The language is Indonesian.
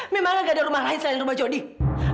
memangnya gak ada rumah lain selain rumah jodoh